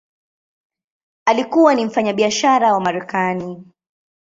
Alikuwa ni mfanyabiashara wa Marekani.